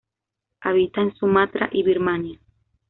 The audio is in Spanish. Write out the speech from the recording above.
Habita en Sumatra y Birmania.